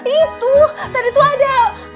itu tadi tuh ada